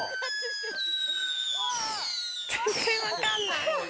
全然分かんない。